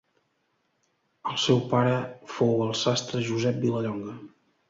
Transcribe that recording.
El seu pare fou el sastre Josep Vilallonga.